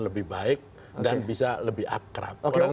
lebih baik dan bisa lebih akrab